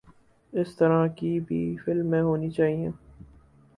اس طرح کی اور بھی فلمیں ہونی چاہئے